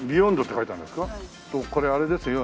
これあれですよ。